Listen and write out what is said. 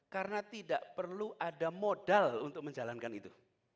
karena tidak perlu ada modal untuk menjalankan itu